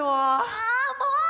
ああもう！